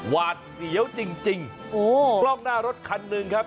หวาดเสียวจริงจริงโอ้กล้องหน้ารถคันหนึ่งครับ